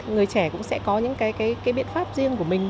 người trẻ cũng sẽ có những cái biện pháp riêng của mình